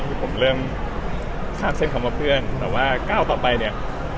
คือผมเริ่มข้ามเส้นคำว่าเพื่อนแต่ว่าก้าวต่อไปเนี่ย